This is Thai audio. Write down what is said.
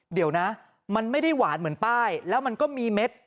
เดี๋ยวนะมันไม่ได้หวานเหมือนป้ายแล้วมันก็มีเม็ด